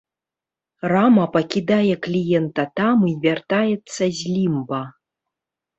Рама пакідае кліента там і вяртаецца з лімба.